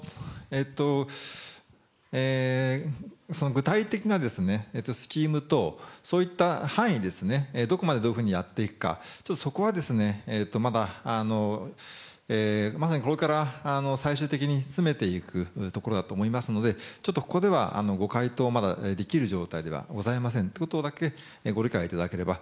具体的なスキームと、そういった範囲ですね、どこまでどういうふうにやっていくか、ちょっとそこはですね、ちょっとまだ、まさにこれから最終的に詰めていくところだと思いますので、ちょっとここでは回答はまだできる状態ではございませんということだけご理解いただければ。